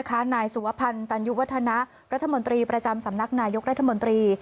นายสุวพันธ์ตันยุวัฒนะรัฐมนตรีประจำสำนักนายกรัฐมนตรี